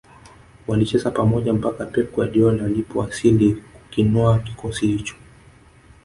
Walicheza pamoja mpaka Pep Guardiola alipowasili kukinoa kikosi hicho